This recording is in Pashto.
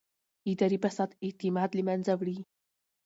اداري فساد اعتماد له منځه وړي